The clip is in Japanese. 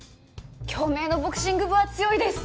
京明のボクシング部は強いです！